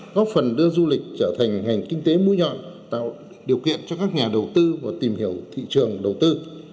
góp phần đưa du lịch trở thành ngành kinh tế mũi nhọn tạo điều kiện cho các nhà đầu tư và tìm hiểu thị trường đầu tư